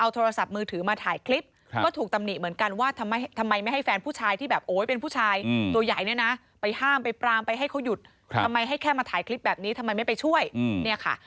ที่มีคลิปแบบนี้ทำไมไม่ไปช่วยเนี่ยค่ะ